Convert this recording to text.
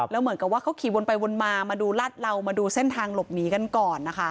แล้วเหมือนกับว่าเขาขี่วนไปวนมามาดูลาดเหล่ามาดูเส้นทางหลบหนีกันก่อนนะคะ